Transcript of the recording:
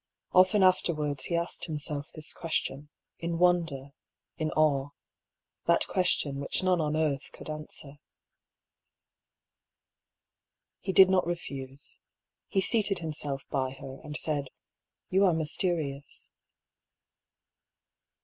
Often afterwards he asked himself this question, in wonder, in awe : that question which none on earth could answer. He did not refuse. He seated himself by her, and said: " You are mysterious."